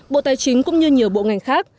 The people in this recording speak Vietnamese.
bộ tài chính cũng như nhiều bộ ngành khác